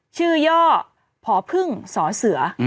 ชื่อย่อพพึ่งศเสือ